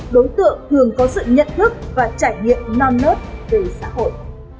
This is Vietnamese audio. đối tượng thường có sự nhận thức và trải nghiệm non nớt về xã hội